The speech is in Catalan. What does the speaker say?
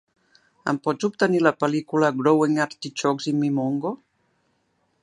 Em pots obtenir la pel·lícula Growing Artichokes in Mimongo?